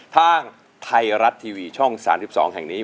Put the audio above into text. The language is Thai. ทางไทยรัฐทีวีช่อง๓๒แห่งนี้